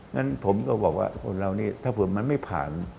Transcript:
งั้นผมก็บอกว่าคนเรานี่ถ้าเผื่อมันไม่ผ่าน